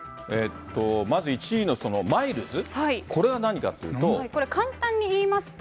まず１位のマイルズ、これは何かっていうと。